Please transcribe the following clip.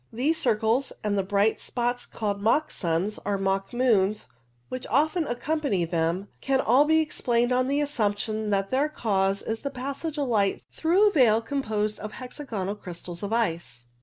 These circles, and the bright spots called mock suns or mock moons which often accompany them, can all be explained on the assumption that their cause is the passage of light through a veil com posed of hexagonal crystals of ice.